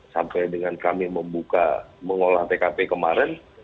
sampai dengan kami membuka mengolah tkp kemarin